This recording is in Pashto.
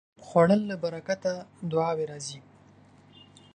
خوړل له برکته دعاوې راځي